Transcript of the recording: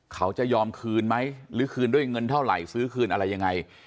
เขาจะยอมคืนไหมหรือคืนด้วยเงินเท่าไหร่ซื้อคืนอะไรยังไง